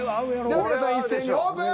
では皆さん一斉にオープン。